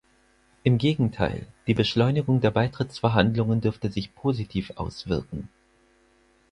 Im Gegenteil, die Beschleunigung der Beitrittsverhandlungen dürfte sich positiv auswirken.